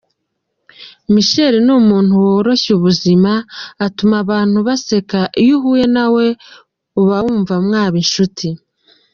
Michel ni umuntu woroshya ubuzima, utuma abantu baseka, iyo uhuye nawe ubawumva mwaba inshuti.